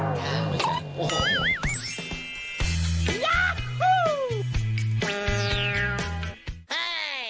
โอ้โฮไม่ใช่